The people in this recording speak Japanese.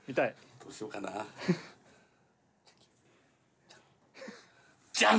どうしようかな。じゃん！